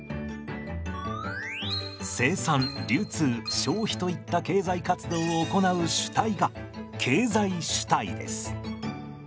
生産流通消費といった経済活動を行う主体が経済主体です。